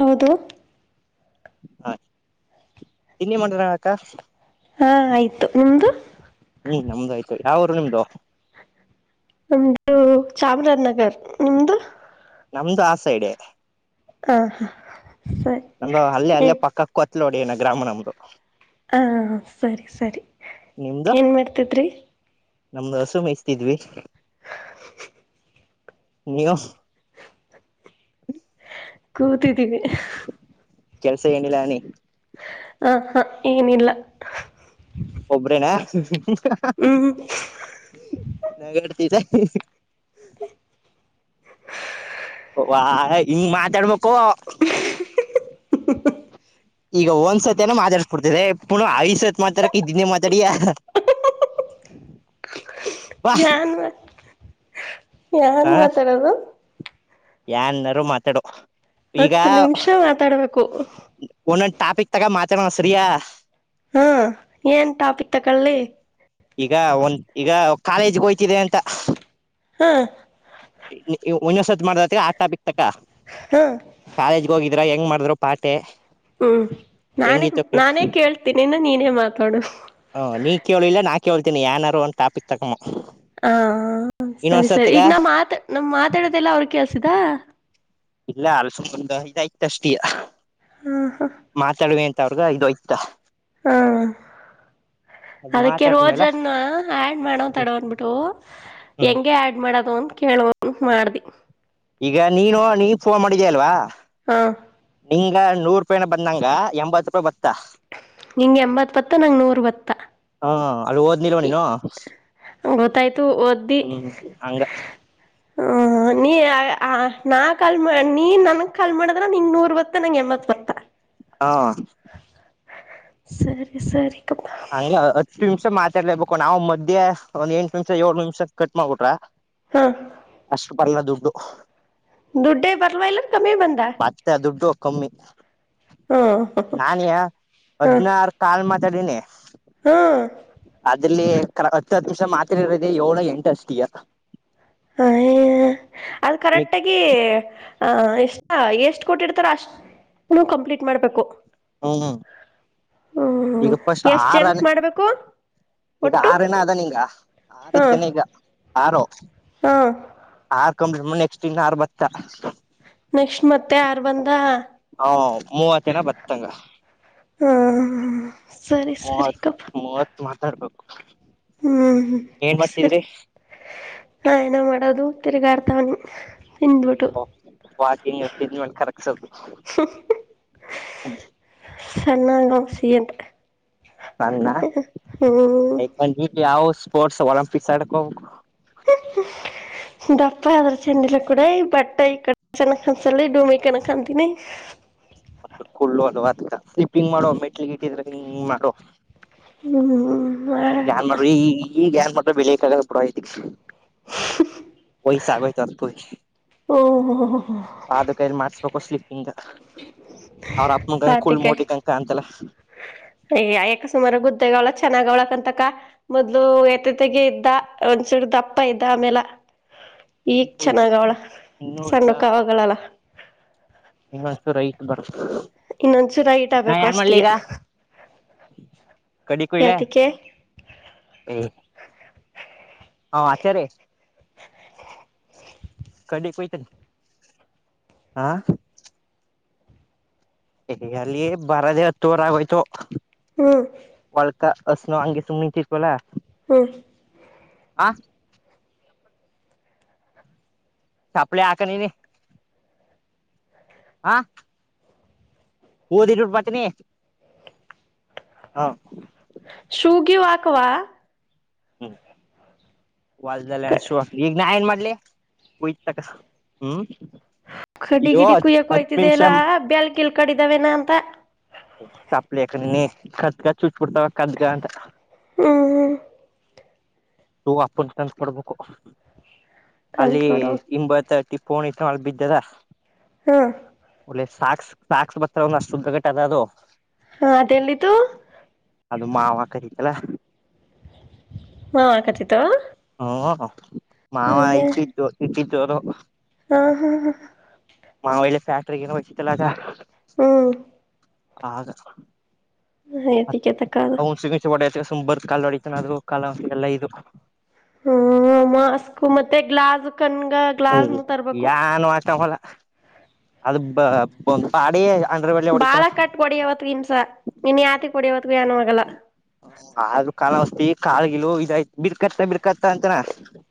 ಹೌದು ಹಾ ಇನ್ನಿ ಮಾಡ್ರಕ್ಕ ಹಾ ಆಯ್ತು ನಿಮ್ದು ಹ್ಮ್ ನಮ್ದಾಯ್ತು ಯಾವರು ನಿಮ್ದು ನಮ್ದು ಚಾಮರಾಜನಗರ್ ನಿಮ್ದು ನಮ್ದು ಆ ಸೈಡ್ದೆ ಹ ಹಾ ಸರಿ ನಮಂಗ ಅಲ್ಲೇ ಅಲ್ಲೇ ಏನ್ ಪಕ್ಕಕ್ಕ ಕೊತ್ ನೋಡಿ ನ ಗ್ರಾಮ ನಮ್ದು ಹಾ ಸರಿ ಸರಿ ನಿಮ್ದು ಏನ್ ಮಾಡ್ತಿದ್ರಿ. ನಮ್ದು ಹಸು ಮೇಹಸ್ತಿದ್ವಿ. ಹಾ ನಿಯಮ ಕೂತಿದ್ದೀವಿ. ಕೆಲ್ಸ ಏನಿಲ್ಲ ಅನಿ ಹ ಹಾ ಏನಿಲ್ಲ ಹ್ಮ್ ನಗಡ್ತಿ ದ ಹ ವ್ಹಾ ಹಿಂಗ ಮಾತಾಡ್ಬೇಕು. ಈಗ ಒಂದ್ಸತನ ಮಾತಾಡ್ಸಕೊಡ್ತಿದೆ ಪುಣ ಐದ ಸತ್ ಮಾತಾಡಕ ಇದನ್ನೇ ಮಾತಾಡಿಯ ಬಾ ಯಾನ್ ಮಾಡ್ ಾನ್ ಮಾತಡದು ಯನಾರು ಮಾತಾಡು ಈಗ ಹತ್ತು ನಿಮಿಷ ಮಾತಾಡ್ಬೇಕು ಒ ಟಾಪಿಕ್ ತಾಗ ಮಾತಣ ಸರಿಯಾ ಹ್ಮ ಏನ್ ಟಾಪಿ ತಕೊಳ್ಳಿ ಈಗ ಒಂದ ಈಗ ಕಾಲೇಜ್ಗೆ ಹೋ್ತಿದೆ ಅಂತ ಹಾ ಒನ್ಸತ್ ಮಾಡ್ತ್ದ ರೀ ಆಕ್ ಬಿತಕ ಹಾ ಕಾಲೇಜ್ಗೆ ಹೋಗಿದ್ರ ಹೆಂಗ್ ಮಾಡಿದ್ರು ಪಾಟೆ ಹ್ಮ್ ನಾನೇ ನಾನೇ ಕೇಳ್ತೀನಿ ನೀನೇ ಮಾತಾಡು ಕೇಳ್ತಿನಿ ಏನರ ಒನ್ ಟಾಪಿಕ್ ತಗಮ್ಮ ಹ ಸರಿ ಸರಿ ಈಗ ನಮ್ ಮಾತ ನಮ್ ಮಾತಾಡೋದೆಲ್ಲ ಅವರಿಗೆ ಕೆಲಸತ್ತ್ ಇಲ್ಲ ಅಲ್ಸ ಇದಾಯ್ತ ಅಷ್ಟ ಹಾ ಹಾ ಮಾತಾಡುವೆ ಅ ಸಾವಿರದ ಐದು ಐದ ತಾ ಹಾ ಅದ್ ಅದಕ್ಕೆ ಮಾತಾಡ್ಮೇಲೆ ರೋಜನ್ನ ಆಡ್ ಮಾಡೋ ತಡವನ್ಬಿಟ್ಟು ಹ್ಮ್ ಹೆಂಗೆ ಆಡ್ ಮಾಡೋದು ಅಂತ ಕೇಳು ಅಂತ ಮಾಡ್ದಿ. ಈಗ ನೀನು ನೀವ ಫೋನ್ ಮಾಡಿದ್ಯಾಲ್ವಾ ಹಾ ಹಂಗ ನೂರು ರೂಪಾಯಿನ ಬಂದ್ಂಗ ಎಂಬತ್ತು ರೂಪಾಯಿ ಬತ್ತಾ. ನಿಂಗೆ ಎಂಬತ್ ಬತ್ತ ನಂಗ್ ನೂರ್ ಬತ್ತ. ಹಾ ಅಲ್ಲಿ ಓದಲಿಲ್ವ ನೀನು ಗೊತ್ತಾಯ್ತು ಓದ್ದಿ ಹ್ಮ್ ಹಂಗ ಹ ನೀ ಹ ನಾ ಕಾಲ್ ನೀ ನನ್ಗ್ ಕಾಲ್ ಮಾಡದ್ರ ನಿನ್ಗ ನೂರ ಬರುತ್ತಾ ನಂಗ ಎಂಬತ್ ಬತ್ತ ಹಾ ಸರಿ ಸರಿ ಹಂಗ ಹತ್ತು ನಿಮಿಷ ಮಾತಾಡ್ಲೇಬೇಕು ನಾವ್ ಮದ್ಯ ಒಂದ್ ಎಂಟು ನಿಮಿಷ ಏಳ ನಿಮಿಷ ಕಟ್ ಮಾಡ್ಬಿಟ್ರ ಹಾ ಅಷ್ಟು ಪರ್ಲ್ಲ ದುಡ್ಡು ದುಡ್ಡೆ ಬರ್ವಾ ಎಲ್ಲ ಕಮ್ಮಿ ಬಂದ ಮತ್ತೆ ದುಡ್ಡು ಕಮ್ಮಿ ಹಾ ನಾನಯ ಹಾ ಹದಿನಾರು ಕಾಲ್ ಮಾಡ್ ಹಾ ಅ್ರಲ್ಲಿ ಹತ್ತು ಹತ್ತು ನಿಮಿಷ ಮಾತ್ ಇರದೆ ಏಳು ಎಂಟು ಅಷ್ಟ ಈಗ ಹ ಅದು ಮಿಕ್ ಕರೆಕ್ಟಗಿ ಹ ಎಷ್ಟ ಎಷ್ಟು ಕೊಟ್ಟಿಡ್ತಾರ ಅಷ್ಟ ಕಂಪ್ಲೀಟ್ ಮಾಡ್ಬೇಕು ಹ್ಮ್ ಹ್ಮ್ ಹ್ಮ್ ಈಗ ಫಸ್ಟ್ ಎಷ್ಟ್ ಜನಕ್ ಆರನೆ ಮಾಡ್ಬೇಕು ಈಗ ಒಟ್ಟು ಆರನ ಅದಾನ ಈಗ ಅದಕ್ ದಿನೇಗ್ ಆರು ಹಾಂ ಆರ್ ಕಂಪ್ಲೀಟ್ ಮಾಡೀನಿ ನೆಕ್ಸ್ಟ್ ಇನ್ ಆರ್ ಬತ್ತಾ ನೆಕ್ಟ್ ಮತ್ತೆ ಯಾರ್ ಬಂದ ಹ ಮೂವತ್ತೇನ ಬತ್ತಂಗ ಹಾ ಸರಿ ಸರಿ ಮೂವತ್ ಗಪ್ಪ ಮೂವತ್ ಮಾತಾಡ್ಬೇಕು ಹ್ಮ್ ಹ್ಮ್ ಏನ್ ಸರಿ ಮಾಡ್ತಿದ್ರಿ ನಾ ಏನ ಮಾಡೋದು. ತಿರಿಗಾರತ ಒನ್ ಓ ವಾಕಿಂಗ್ ಎಷ್ಟ ಮೇ ಕರಕ್ಸದು ಹ ಸ್ಣಾಗಂ ಸಎಂ ಹಂಗಯ ಯಾವ ಸ್ಪೋರ್ಟ್ಸ್ ಒಲಂಪಿಕ್ಸ್ ಆಡ್ಕ ಹೋಗ [unintelligible] ದಪ್ಪ ಅದ್ರ ಚೆಂಡಲ ಕೂಡ ಬಟ್ಟ ಈ ಕಡೆ ಚನ್ನ ಕನ್ಸ ಡೂಮಿ ಕಣ ಕಂತೀಿನಿ ಕುಳ್ಳ ಅ ಸ್ಿಂಗ್ ಮಾಡುವ ಮೆಟ್ಲಿಗೆ ಇಟ್ಟಿದ್ರೆಂಗ ಮಾಡುವ ಹ್ಮ್ ಆ ಈ ಜ್ಞಾನಪಟ್ಟ ಬೆಳ ಕ ಬ ಒಸಾಗ ತತ್ಪ ಓಹೋ ಆದು ಕೈಲಿ ಮಾಡಸ್ಬೇಕು ಸ್ಲಿಪ ಇಂದ ಅವ್ರ ಅಪ್ಪನ ಕಂ ಕುಳ್ ಮೋಡಿ ಕಂಕ ಅಂತೆಲ್ಲ ಅಯ ಯಾಕ ಸುಮಾರ ಗುದ್ದೆಗ ಅವ್ಳ ಚೆನ್ನಾಗ್ ಅವಳಕ್ ಅಂತಕ ಮೊದ್ಲು ಎತೆತೆಗಿ ಇದ್ದ ಸಡ್ದಪ್ಪ ಇದ್ದ ಆಮೇಲೆ ಈಗ್ ಇನ್ನೂ ಚೆನ್ನಾಗ ಅವ್ಳ ಸಣ್ಣ ಕಾವಗಳಲ್ಲ ಇನ್ನೊಂದಸು ರೈಟ್ ಬರ್ ಇನ್ನೊಂದ್ ಚೂರಾಗಿಟ್ ನಾ ಆಬೇಕು ಏನ್ ಮಾಡ್ಲಿ ಅಷ್ಟಿಗೆ ಕಡಿಕಯಲ ಹಾ ಆಚಾರ್ಯ ಕಡಿ ಕೊತ ಹಾ ಅಲ್ಲಿ ಬರದೆೇ ಹತ್ತುವರ ಆಗೋಯ್ತು ಹ್ಮ ಅಷ್ಟನೋ ಅಂಗಗೆ ಸುಲಿಿ ತಿೀರ್ ಬಲಾ ಹ್ಮ ಹ ಚಪ್ಪಳ ಆಕಣ ನೀ ಹಾ ಓದ ಮಾತನಿ ಹ ಶೂ ಗ್ಯ ಆಾಕ್ವಾ ಹ್ಮ ವಲ್ಲ್ಲ ಶು ಆಕಲಿ ಈಗ ನಾಯಏನ್ ಮಾಡ್ಲಿ ತ ಹ್ಮ್ ಕಡಿ ಇದು ಗಿಡಿ ಕುಯ್ಯಕು ಹತ್ ಹಯ್ತಿದೆ ನಿಮಿಷ ಎಲ್ಲಾ ಬ್ಯಾಳ್ಕಿಲ್ ಕಡಿದಾವೇನ ಅಂತ ಚಪ್ಪಲಿಕ ನಿನ್ನ ಕ್ದಗ ಚೂಚಿಡ್ತಾವ ಕತ್ಗ ಅಂತ ಹ ಹ ಅಪ್ಪ ತಂದ ಕೊಡ್ಬೇಕು ಅಲ್ಲಿ ತಂದ್ಕೊಡು ಇಂಬತ್ತ ಟಿಪ್ಪ ಫೋನ್ ಇಷ್ಟ ಮಾಡಳ ಬಿದ್ದದಾ ಹಾ ಸಾಕ್ಸ್ ಸಾಕ್ಸ್ ಬತ್ತ ಒಂದ ಅಷ್ಟುದ್ದಗಟ್ಟ ಅದ ಅದು ಹಾ ಅದೆಲ್ಲಿದ್ದು ಅದು ಮಾವಕರಿತಲ್ಲ ಹಾ ಕಥಿತ ಹ ಮಾಾಮ ಐತಿ ಜೋತಿತಿ ಚೋರ ಹಾ ಹಾ ಹ ಮಾವಲಿ ಫ್ಯಾಕ್ಟ್ರ ಏ ಬಚಿತ್ತಲ್ಲ ಅದ ಹ್ಮ ಹದ ಅದಕ್ಕೆ ತಕ್ಕ ಅದು ಹಸಸಿ ಹೊಡತ ಸುಂಬರ್ ಕಾ ಹೊಡಿತಾನ ಅೂ ಕಾಲಲ್ಲ ಇದು ಹ್ಮ ಮಾಸ್ಕ್ ಮತ್ತೆ ಗ್ಲಾಸ್ ಕನ್ಗ ಗ್ಲಾಸ್ನು ತರ್ಬೇಕು ಯಾನು ಹಾಕವಲ್ಲ ಅದು ಬ ಪಾಡ ಬಾಳ ಕಟ್ [unintelligible] [unintelligible] [unintelligible] ಅಂತಾನಾ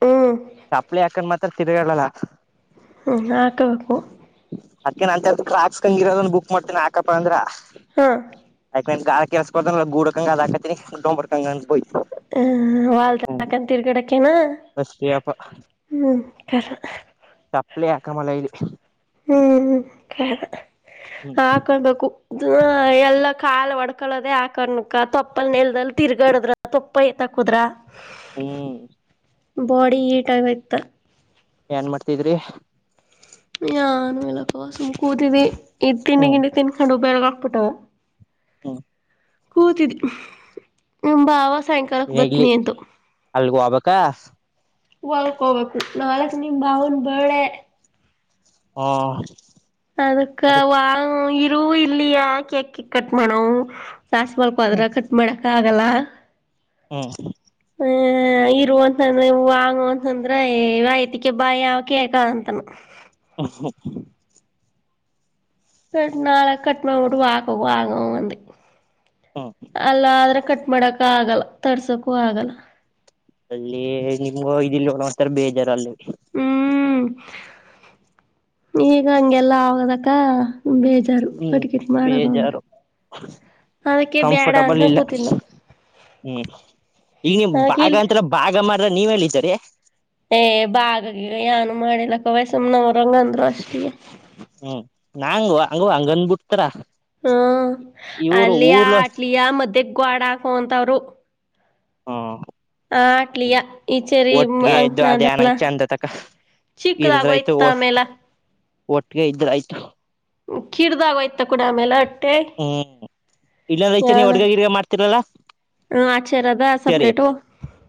ಹ್ಮ್ ಚಪ್ಲಿ ಹಾಕನ್ ಮಾತ್ರ ತಿರ್ಗಲಲ್ಲ [unintelligible] ಅದಕ್ಕ ಅಂತ ಟ್ರಾಸ್ ಕಂಗಿರೋದ್ ಬುಕ್ ಮಾಡ್ತೇನೆ ಹಾಕಪ್ಪ ಅಂದ್ರ ಹ್ಮ್ ನನ್ ಏನ್ ಗಾರೆ ಕೆಲ್ಸಕ್ಕೆ [unintelligible] ಹ್ಮ್ [unintelligible] ತಿರ್ಗಾದಕೇನು ಅಷ್ಟೇಪ್ಪ ಹ್ಮ್ [unintelligible] ಚಪ್ಪಲಿ ಹಾಕಮಲ್ಲ ಇಲ್ಲಿ ಹ್ಮ್ ಹ್ಮ್ ಹಾಕೊಬೇಕು ಎಲ್ಲ ಕಾಲ್ ಹೊಡ್ಕೊಳ್ಳದೆೇ ಆಕಣಕ್ಕ ತಪ್ಪಲ್ ನೆಲ್ದಲ್ಲಿ ತಿರ್ಗಾಡದ್ರ ತಪ್ಪತ ಕುದ್ರ ಹ್ಮ್ ಬಾಡಿ ಹೀಟ್ ಆಗಯ್ತ ಏನ್ ಮಾಡ್ತಿದ್ರಿ ನ್ ಮೇಲೆ ಕಸಮ್ ಕೂತಿದ್ದಿ ಈ ತಿಂಡ ಹ್ಮ್ ಗಿಂಡಿ ತಿನ್ಕಂಡು ಉಪಯರಗ ಹಾಕ್ಬಿಟ್ಟವ ಹ್ಮ್ ಕೂತಿದಿ [inaudible] ನಿಮ್ಮ್ ಭಾವ ಸಾಯಂಕಾಲಕ್ ಇಲ್ಲಿ ಬತನಿ ಅಂತೂ [unintelligible] ಹೊಲಕ್ ಹೋಗ್ಬೇಕು ನಾಳೆಗೆ ನಿಮ್ಮ್ ಭಾವನಾ ಬರ್ತ್ಡೇ ಹಾ ಅದಕ್ಕ ಇರು ಇಲ್ಲಿಯ ಕೇಕ್ ಗಿಕ್ ಕಟ್ ಮಾಡವು ಸಾಸ ಮಲ್ಕೋ ಅದ್ರ ಕಟ್ ಮಾಡಕ ಆಗಲ್ಲ ಹೂ [unintelligible] ಇರು ಅಂತದ್ರೆ [unintelligible] ಅಂತದ್ರೆ ಹೇ ನನ್ ಯಾಕ್ ಬಾ ಅಕ್ಕ ಯಾವಕೇಕಂತನ [unintelligible] ನಾಳೆ ಕಟ್ ಮಾಡ್ಬಿಟ್ಟು ವಾಕ್ [unintelligible] ಹ್ಮ್ ಅಲ್ಲ ಆದ್ರೆ ಕಟ್ ಮಾಡಕ ಆಗಲ್ಲ ತರ್ಸಕೂ ಆಗಲ್ಲ ಅಲ್ಲಿ ನಿಮ್ಗೂ ಇದೀವಲ್ಲ ಒಂತರ ಬೇಜಾರ ಅಲ್ಲಿ ಹ್ಮ್ [inaudible] ಈಗ ಹಂಗೆಲ್ಲ ಆದಕ್ಕ ಬೇಜಾರು ಹ್ಮ್ ಕಟ್ ಗಿಟ್ ಮಾಡದಂದ್ರ ಬೇಜಾರು ಅದಕ್ಕೆ ಬ್ಯಾಡ ಕಂಫರ್ಟಬಲ್ ಅನ್ಕ ಇಲ್ಲ ಕೂತಿದ್ನೋ ಹ್ಮ್ ಈಗ ನೀಮ್ಮ್ ಭಾಗ ಅಂತ್ರ ಭಾಗ ಮಾಡಾಗ ನೀವು ಎಲ್ಲಿ ಇದಾರಿ ಹೇ ಭಾಗ ಗೀಗ ಏನು ಮಾಡಿಲ್ಲ ಕವ ಸುಮ್ನೆ ಅವ್ರಗಂದ್ರು ಅಷ್ಟಿಯೇ [unintelligible] ಹಂಗಂದ್ ಬಿಡ್ತಾರ ಹ್ಮ್ [inaudible] ಅಲ್ಲಿಯ ಹಾ ಅಟ್ಲಿಯ ಮಧ್ಯಕ್ಕೆ ಗೋಡೆ ಹಾಕೋ ಅಂತ ಅವ್ರು ಹ್ಮ್ ಆಟ್ಲಿಯ [inaudible] ಈಚೆರಿ ಒಟ್ಟಿಗೆ ಇದ್ದು ಅದೇ ಅಂಕನಾದಲ್ಲ ಚಂದ ತಕ ಇರ್ದ್ರಾಯ್ತು ಚಿಕ್ಕದಾಗೋಯ್ತ ಆಮೇಲೆ [inaudible] ಒಟ್ಟಿಗೆ ಇದ್ರಯ್ತು ಕಿರ್ದಾಗೋಯ್ತ ಕೂಡ ಆಮೇಲೆ ಹ್ಮ್ ಇಲ್ಲಾಂದ್ರೆ [unintelligible] ನೀವು ಯಾನ ಅಡಿಗೆ ಗಿಡಿಗೆ ಮಾಡ್ತಿರಲ್ಲಾ ಆಚೆರದ ಇಚಾರಿ [inaudible] ಸಪ್ರೇಟು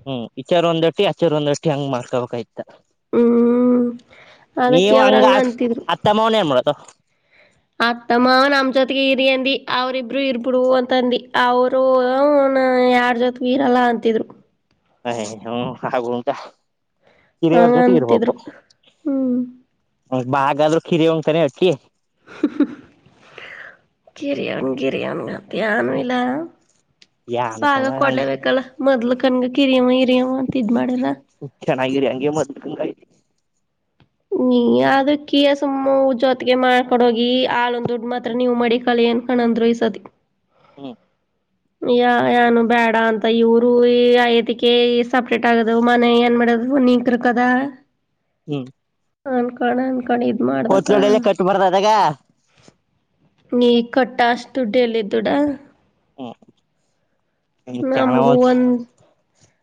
ಹ್ಮ್ ಇಚಾರ ಒಂದ ಅಟ್ಟಿ ಆಚಾರ ಒಂದ ಅಟ್ಟಿ ಹಂಗ್ ಮಾಡ್ಕೋಬೇಕ್ ಹ್ಮ್ ನೀವು ಅದಕ್ಕೆ ಅವ್ರ ಹಂಗ ಅತ್ತಮ್ಮವನ ಏನ್ ಮಾಡೋದು ಅತ್ತೆಮಾವ ನಮ್ಮ್ ಜೊತೆಗೆ ಇರಿ ಅಂದಿ ಅವ್ರಿಬ್ರು ಇರ್ಬಿಡ್ ಅಂತಂದ ಅವರು ನಾ ಯಾರ್ ಜೊತೆಗು ಇರಲ್ಲ ಅಂತಿದ್ರು [unintelligible] ಹೂ ಹಾಗೂ ಉಂಟಾ ಕಿರಿಯರ ಜೊತೆ ಇರ್ಬೇಕು ಹಂಗಂತಿದ್ರು [unintelligible] ಹ್ಮ್ ಏನಾದ್ರು ಕಿರಿಯಾವನಿಗೆ ತಾನೇ ಅಟ್ಟಿ [unintelligible] ಏನು ಇಲ್ಲ [inaudible] ಯಾನಕ ಭಾಗ ಹಂಗ ಕೊಡ್ಲಬೇಕಲ್ಲ ಮೊದ್ಲು ಕನ್ಗೆ ಕಿರಿಯವ ಹಿರಿಯವ ಅಂತ ಇದ್ ಮಾಡಿದರ ನಗಿರಿ ಅಂಗೆ ಮ ನೀ ಅದಕ್ಕ ಸುಮ್ಮ ಜೋತ್ಗೆ ಮಾಡ್ಕೊಡೋಗಿ ಹಾಳೊ ದುಡ್ಡು ಮಾತ್ರ ಹ್ಮ್ ನೀವು ಮಾಡಿ ಕಳೆಯನ್ ಕಣಂದ್ರೂಹಿಸದದೆ ಹ್ಮ ಯ ಯಾನು ಬೇಡ ಅಂತ ಇವರು ಈ ಐತಿಕ ಸಪ್ರೇಟ್ ಆಗದು ಮನೆ ಏನ್ ಮಾಡ ನೀಕರು ಕದಾ ಹ್ಮ್ ಅನ್ಕಣ ಅನ್ಕಣ ಇದ್ ಮಾಡ್ದಕ್ಕ ಕೋತ್ಲೋಡೆಲ್ಲ ಕಟ್ಬಾರ್ದ ಅದಾಗ ನೀ ಕಟ್ಟಷ್ಟ ದುಡ್ಡು ಎಲ್ಲ ದುಡಾ ಹ್ಮ [inaudible] ನಮಗು ಒಂದ್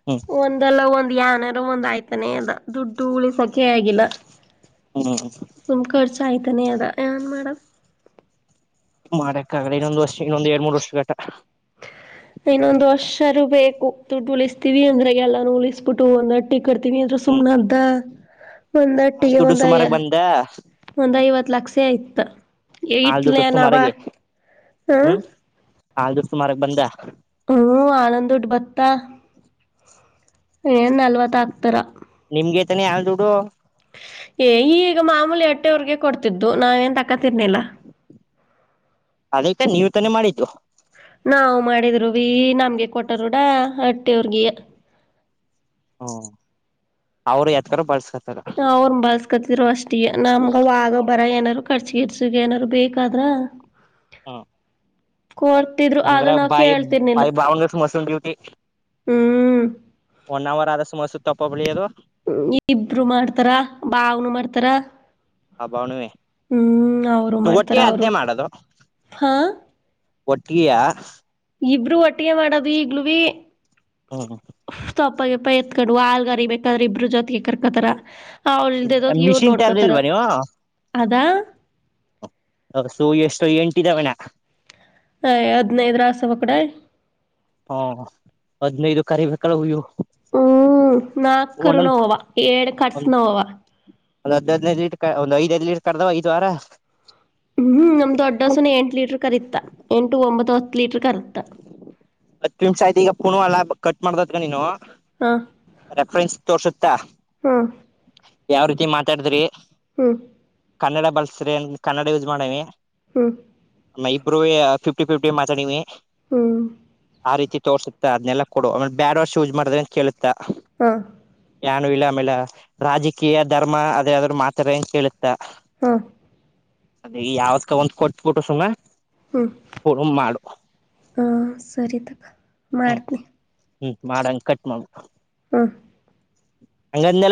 ಹ್ಮ್ ಒಂದಲ್ಲ ಒಂದ ಏನಾರ ಒಂದ ಆಯ್ತಾನೆ ಅದ ದುಡ್ಡು ಉಳಿಸ ಹ್ಮ್ [unintelligible] [unintelligible] ಏನ್ ಮಾಡಮ್ ಮಾಡಕ್ಕ ಆಗಲ್ಲ ಇನ್ನೊಂದು ವರ್ಷ ಇನ್ನೊಂದು ಎರಡ್ ಮೂರ್ ವರ್ಷ ಗಟ ಇನ್ನೊಂದ್ ವರ್ಷರು ಬೇಕು ದುಡ್ಡು ಉಳಿಸ್ತೀವಿ ಅಂದ್ರೆ ಎಲ್ಲಾನು ಉಳಿಸಬಿಟ್ಟು ಒಂದ್ಟ್ಟಿ ಕರ್ತವಿ ಅ್ರ ಹ್ಮ್ ಸುಮ್ನೆ ಅದ್ದ ಹಾಲ್ ಒಂದಟ್ಟಿಗೆ ದುಡ್ಡು ಒಂದಾಯ ಸುಮಾರಾಗ ಬಂದ ಒಂದ ಇವತ್ತು ಇತ್ ಲಕ್ಷಸ ಆಯತ ಹಾಲ್ ದುಡ್ಡು ಇತ್ಲಯ ನಾವ ಸುಮಾರಾಗಿ ಹ ನಾ ದಿವ ಸುಮಾರಾಗ ಬಂದ ಹ್ಮ ಹಾಲುಂದು ದುಡ್ಡ್ ಭತ್ತಾ ಏನ್ ನಲ್ವತ್ತ ಆಕ್ತರಾ ತನ ಆ ದೋಡುುವ ಏ್ ಈಗಗ ಮಾಮೂಲಿ ಅಟ್ಟೆವ್ರಗೆ ಕೊಡ್ತಿದ್ದು ನಾವ ನ್ ತಕತಿರ್ನಿಲ್ಲ ಅದಕ್ಕೆ ನೀವು ತಾನೆ ಮಾಡಿತು ನಾವವು ಮಾಡಿದ್ರು ವಿ ನಮ್ಗೆ ಕೊಟರುೂಡ ಅಟ್ಟೆ ಅವ್ರಿಗೆ ಹ್ಮ ಅವರು ಯತ್ಕರ ಬಳಸ ಅವ್್ರ ಬಳ್ಸ್ಕತಿದ್ರು ಅಷ್ಟಿಗೆ ನಮ್ಗ ವಾ ಗ ಹ್ಮ್ ಬರ ಏನಾರ್ರು ಕರ್ಚಿಗರ್ಸಗ ಏನಾರರು ಬೇಕಾದ್ರ ಹ ಕೊಡ್ತಿದ್ರು ಅಂಗ್ರ ಆದ್ರ ನಾವ್ ಬಾಯ ಕೇಳ್ತಿರ್ನಿಲ್ಲ ಬಾಯ ಬಹಸ ಮಸ ದವಿಟ ಹ್ಮ್ ಒನ್ ಅವರ್ ಆದ ಸು ಮ ಸುತ್ತಪ್ಪ ಬೆಳಿಯೋದು ಇಬ್ರು ಮಾಡ್ತಾರ ಬಾವನು ಮಾಡ್ತಾರ ಆ ಬಾವನುವೆ ಹ್ಮ್ ಅವ್ರು ಮಾಡ್ತಾರ ಒಟ್ಟಿಗೆ ಅವ್ರು ಅದ್ನೇ ಹಾ ಒಟ್ಟಿಯ ಇಬರು ಒಟ್ಟಿಗೆ ಮಾಡದು್ ಈಗ್ಲ ಬಿೀ ಹ್ಮ ಪೈಪ್ಪ ಎತ್ಕೊಂಡ ಆಲ್ಗರಿ ಬೇಕಾದ್ರೆ ಇಬ್ಬರು ಜೊತೆಗೆ ಕರ್ಕತಾರ ಹ ಅವಳಲ್ದದಕ ಇವ್ರ ಮಿಷಿನ್ ನೋಡ್ಕೊತಾರ ತರ್ಲಿಲ್ವಾ ಅದಾ ಸೊ ಎಷ್ಟೋ ಎಂಟಿದ್ದಾವಣ್ಣ ಹ ಹದ್ನೈದ ರಾಸ ಒ ಕಡೆ ಹಾ ಹದ್ಿನೈದು ಕಾರಿ ಬೇಕಳ ಅ್ಯವು ಹ್ಮ್ ನಾಕ ರುಣ ಹವ ಏಳ ಕಟ್ಸ ನ ಅವವ ಒಂದು ಹದ್ ಹದ್ನೈದು ಲೀಟರ್ ಒ್ ಐದ್ಐದು ಲೀಟರ್ ಕರೆದವ ಐ್ ವಾರ ಹ್ಮ್ ನಮ್ದ ದೊಡ್ಡಸನ ಎಂಟು ಲೀಟರ್ ಕರಿತ್ತಾ ಎಂಟು ಒಂಬತ್ತು ಹತ್ತು ಲೀಟರ್ ಕರತ್ತ ಹತ್ತು ನಿಮಿಷ ಆಯ್ತು ಈಗ ಪುಣ ಅಲ್ಲ ಕಟ್ ಮಾಡ್ದದಗ ನೀನು ಹಾ ರೆಫ್ರನ್ಸ್ ತೋರ್ಸುತ್ತ ಹಾ ಯಾವ ರೀತಿ ಮಾತಾಡಿದ್ರಿ ಹ್ಮ ಕನ್ನಡ ಬಳಸ್ರಿ ಕನ್ನಡ ಯೂಸ್ ಮಾಡವಿ ಹ್ಮ ನ ಇಬ್ರು ಫಿಫ್ಟಿ ಫಿಫ್ಟಿ ಮಾತಾಡ ನೀವಿ ಹಾಂ ಆ ರೀತಿ ತೋಸುತ್ತತ್ತ ಅದನ್ನನೆಲ್ಲ ಕೊಡು ಆಮೇಲೆ ಬ್ಯಾಡ್ ವರ್ಷ ಯೂಸ್ ಮಾಡಿದ್ರ ಕೇಳುತ್ತಾ ಹಾ ನಾನು ಇಲ್ಲ ಆಮೇಲೆ ರಾಜಕೀಯ ಧರ್ಮ ಅದ ಯದ್ರರು ಮಾತ್ರರೆ ಅ ಕೇಳುತ್ತ ಹಾ ಅದ ಯಾವತ್ಕ ಒಂದ್ ಕೊಟ್ಬಿಟ್ಟು ಸುಮ್ಮ ಪೆ ಮಾಡು ಹ ಸರಿ ತಕ್ಕ ಮಾಡ್ತನಿ ಹ್ಮ ಮಾಡಂಗ ಕಟ್ ಮಾಡ್ಬ ಹ ಹಂಗಂದೆಲ್ಲ